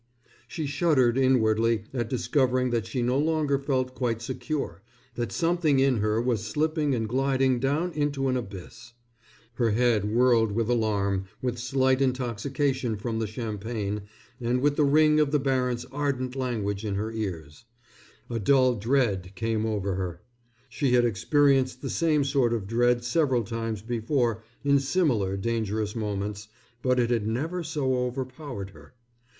She shuddered inwardly at discovering that she no longer felt quite secure, that something in her was slipping and gliding down into an abyss. Her head whirled with alarm, with slight intoxication from the champagne, and with the ring of the baron's ardent language in her ears. A dull dread came over her. She had experienced the same sort of dread several times before in similar dangerous moments, but it had never so overpowered her.